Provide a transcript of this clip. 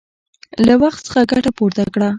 له وخت څخه ګټه پورته کړه!